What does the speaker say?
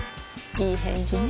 いい返事ね